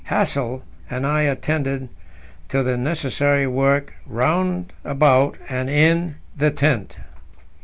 Hassel and I attended to the necessary work round about and in the tent.